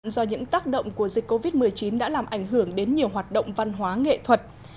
do những tác động của dịch covid một mươi chín đã làm ảnh hưởng đến nhiều hoạt động văn hóa nghệ thuật